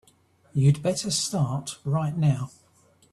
You'd better start right now.